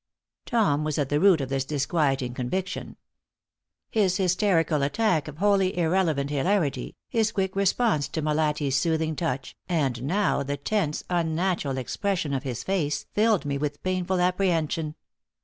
Tom was at the root of this disquieting conviction. His hysterical attack of wholly irrelevant hilarity, his quick response to Molatti's soothing touch, and now the tense, unnatural expression of his face filled me with painful apprehension.